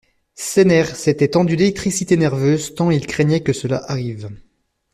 Ses nerfs s’étaient tendus d’électricité nerveuse tant il craignait que cela arrive.